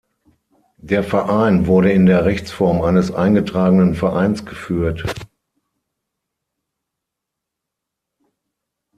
Der Verein wurde in der Rechtsform eines eingetragenen Vereins geführt.